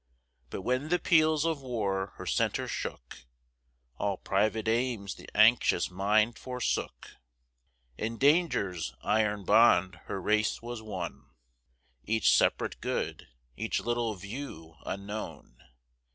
But when the peals of war her centre shook, All private aims the anxious mind forsook. In danger's iron bond her race was one, Each separate good, each little view unknown.